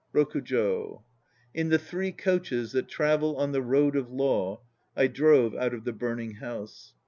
ROKUJO. In the Three Coaches That travel on the Road of Law I drove out of the Burning House